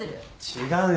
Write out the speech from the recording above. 違うよ。